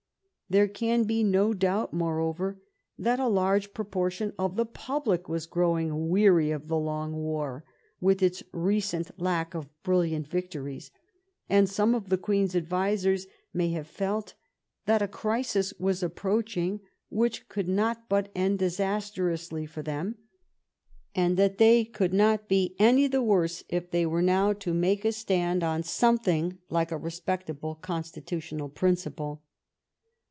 There can be no doubt, more over, that a large proportion of the public was growing weary of the long war, with its recent lack of brilliant victories, and some of the Queen's advisers may have felt that a crisis was approaching which could not but end disastrously for them, and that they could not be any the worse if they were now to make a stand 294 SACHSYERELL on something like a respectable constitutional prin ciple.